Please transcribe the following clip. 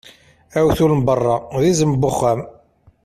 Awtul n beṛṛa, d izem n uxxam.